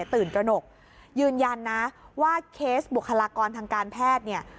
ตื่นตระหนกยืนยันนะว่าเคสบุคลากรทางการแพทย์เนี่ย